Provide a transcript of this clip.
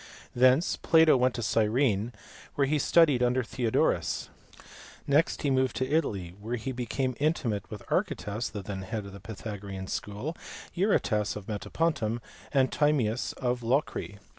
Thence Plato went to Gyrene, where he studied under Theodorus. Next he moved to Italy, where he became intimate with Archytas the then head of the Pythagorean school, Eurytas of Metapontum, and Timaeus of Locri.